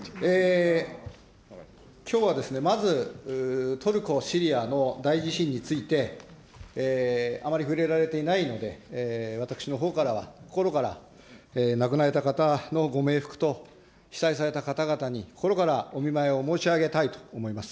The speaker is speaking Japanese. きょうはまず、トルコ、シリアの大地震について、あまり触れられていないので、私のほうからは心から、亡くなられた方のご冥福と、被災された方々に心からお見舞いを申し上げたいと思います。